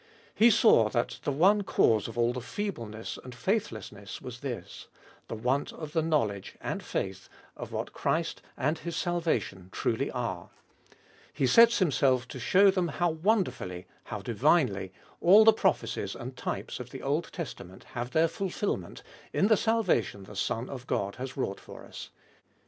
He saw that the one cause of all the feebleness and faithlessness was this : the want of the knowledge and the faith of what Christ and His salva Hbe Tboliest of nil 23 tion truly are. He sets himself to show them how wonderfully, how divinely, all the prophecies and types of the Old Testament have their fulfilment in the salvation the Son of God has wrought for us.